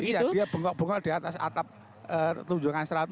iya dia bengkok bengkok di atas atap tunjungan seratus